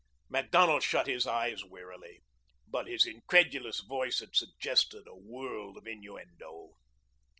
Macdonald shut his eyes wearily, but his incredulous voice had suggested a world of innuendo.